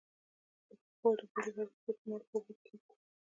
د پښو د بوی لپاره پښې په مالګه اوبو کې کیږدئ